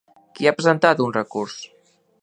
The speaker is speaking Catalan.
Qui ha presentat un recurs?